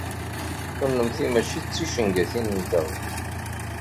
Kennemti mačči d ticengatin-nteɣ.